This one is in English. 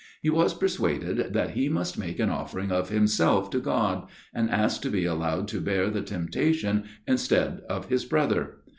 jle was persuaded that he must make an offering of himself to God, and ask to be allowed to bear the temptation instead of his brother.